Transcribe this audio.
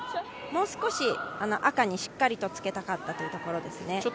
もう少し赤にしっかりとつけたかったところですね。